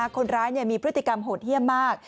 คนร้ายมีพฤติกรรมโหดเยี่ยมมาก